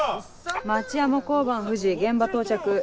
町山交番藤現場到着。